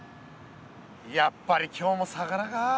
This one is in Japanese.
やっぱり今日も魚か。